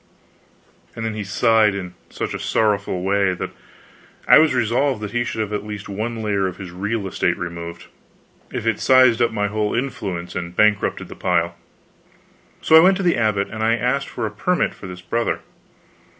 And then he sighed in such a sorrowful way that I was resolved he should have at least one layer of his real estate removed, if it sized up my whole influence and bankrupted the pile. So I went to the abbot and asked for a permit for this Brother.